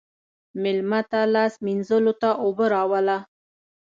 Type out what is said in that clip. مېلمه ته لاس مینځلو ته اوبه راوله.